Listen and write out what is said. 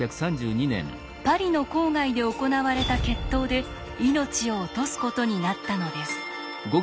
パリの郊外で行われた決闘で命を落とすことになったのです。